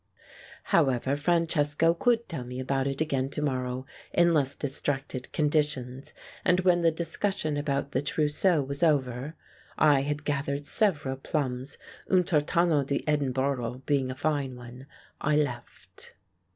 However, Francesco could tell me about it again to morrow, in less distracted conditions, and when the discussion about the trousseau was over (I had gathered several plums, un tartano di Edinborgo being a fine one) I left.